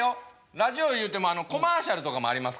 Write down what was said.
ラジオいうてもコマーシャルとかもありますからね。